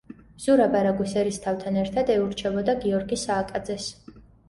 ზურაბ არაგვის ერისთავთან ერთად ეურჩებოდა გიორგი სააკაძეს.